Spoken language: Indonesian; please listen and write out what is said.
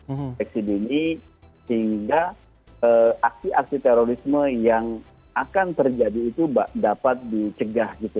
deteksi dini sehingga aksi aksi terorisme yang akan terjadi itu dapat dicegah gitu